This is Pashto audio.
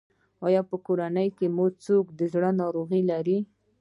ایا په کورنۍ کې مو څوک د زړه ناروغي لري؟